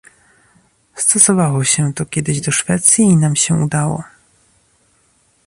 Stosowało się to kiedyś do Szwecji i nam się udało